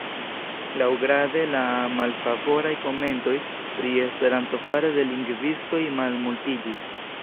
Laŭgrade la malfavoraj komentoj pri Esperanto fare de lingvistoj malmultiĝis.